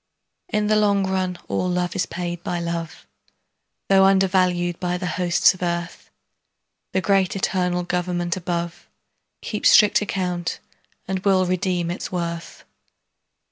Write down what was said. In the long run all love is paid by love, Though undervalued by the hosts of earth; The great eternal Government above Keeps strict account and will redeem its worth.